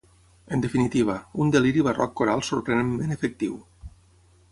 En definitiva, un deliri barroc coral sorprenentment efectiu.